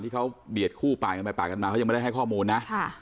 ที่เขาเดียดคู่ปลายไปเขายังไม่ได้ให้ข้อมูลนะ